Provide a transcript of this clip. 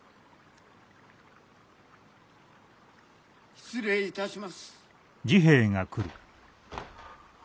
・失礼いたします。